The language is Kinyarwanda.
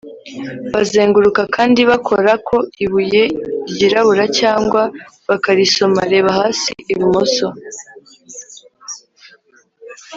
bazenguruka kandi bakora ku ibuye ryirabura cyangwa bakarisoma (reba hasi ibumoso